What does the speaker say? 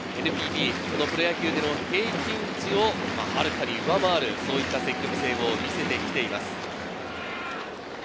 ＮＰＢ、プロ野球での平均値をはるかに上回る、そういった積極性を見せてきています。